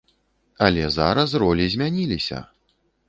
Але зараз ролі змяніліся!